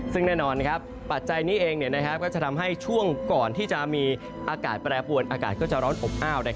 ซึ่งแน่นอนปัจจัยนี้เองก็จะทำให้ช่วงก่อนที่จะมีอากาศแปรปวนอากาศก็จะร้อนอบอ้าว